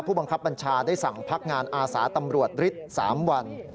บังคับบัญชาได้สั่งพักงานอาสาตำรวจฤทธิ์๓วัน